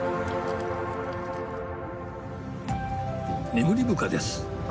ネムリブカです。